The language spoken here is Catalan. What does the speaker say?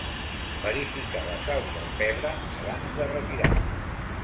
Verificar la sal i el pebre abans de retirar.